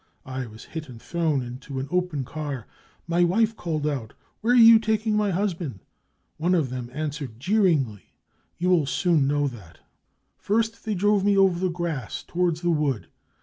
... I was hit and thrown into an open car. My wife called out :* Where are you taking my husband ?' One of them answered jeeringly : 4 You'll soon know that !*' First they drove me over the grass towards the wood.